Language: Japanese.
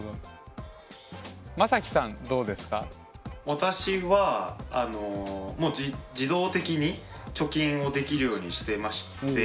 私はもう自動的に貯金をできるようにしてまして。